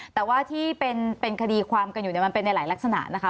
แต่ว่าที่เป็นคดีความกันอยู่เนี่ยมันเป็นในหลายลักษณะนะคะ